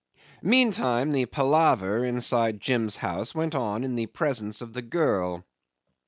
Meantime the palaver inside Jim's house went on in the presence of the girl.